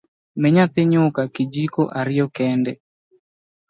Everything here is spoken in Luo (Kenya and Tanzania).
Mi nyathi nyuka kijiko ariyo kende